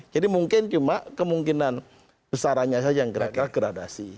jadi mungkin cuma kemungkinan besarannya saja yang gerak gerak gradasi